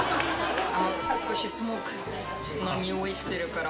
少しスモークのにおいしてるから。